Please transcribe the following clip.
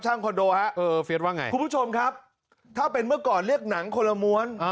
ช่างคอนโดครับคุณผู้ชมครับถ้าเป็นเมื่อก่อนเรียกหนังคนละม้วน